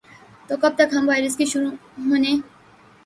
تو اب تک ہم وائرس کے شروع ہونے